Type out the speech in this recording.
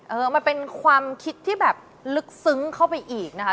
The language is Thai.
เออมันเป็นความคิดที่แบบลึกซึ้งเข้าไปอีกนะคะ